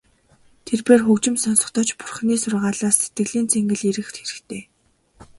Тэрбээр хөгжим сонсохдоо ч Бурханы сургаалаас сэтгэлийн цэнгэл эрэх хэрэгтэй.